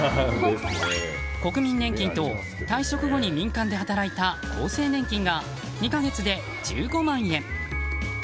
国民年金と退職後に民間で働いた厚生年金が２か月で１５万円。